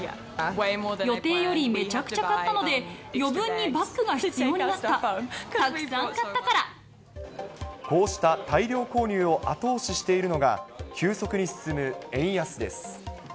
予定よりめちゃくちゃ買ったので、余分にバッグが必要になった、こうした大量購入を後押ししているのが、急速に進む円安です。